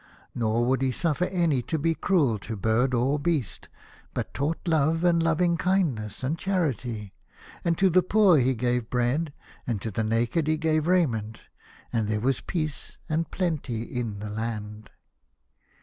Nor would he suffer any to be cruel to bird or beast, but taught love and loving kindness and charity, and to the poor he gave bread, and to the naked he gave raiment, and there was peace and plenty in the land.